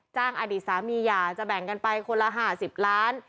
อดีตสามีหย่าจะแบ่งกันไปคนละ๕๐ล้าน